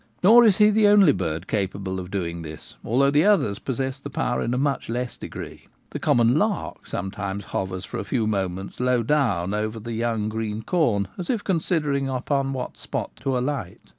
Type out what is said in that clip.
Nor is he the only bird capable of doing this, although the others possess the power in a much less degree. The common lark sometimes hovers for a few moments low down over the young green corn, as if considering upon what spot to alight.